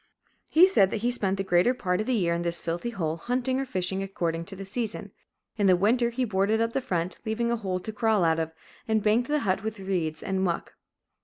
He said that he spent the greater part of the year in this filthy hole, hunting or fishing according to the season; in the winter, he boarded up the front, leaving a hole to crawl out of, and banked the hut about with reeds and muck.